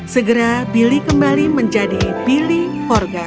segera billy kembali menjadi billy forgar